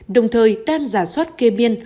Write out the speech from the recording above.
đồng thời đang rà soát kê biên